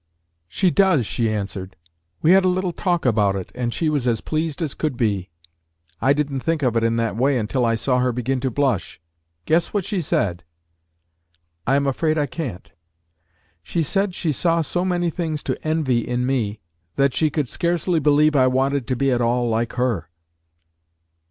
"She does," she answered. "We had a little talk about it, and she was as pleased as could be. I didn't think of it in that way until I saw her begin to blush. Guess what she said." "I am afraid I can't." "She said she saw so many things to envy in me, that she could scarcely believe I wanted to be at all like her."